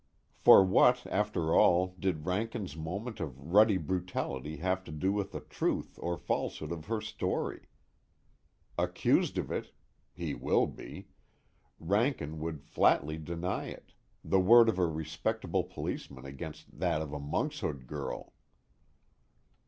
For what after all did Rankin's moment of rutty brutality have to do with the truth or falsehood of her story? Accused of it (he will be!) Rankin would flatly deny it, the word of a respectable policeman against that of the Monkshood Girl.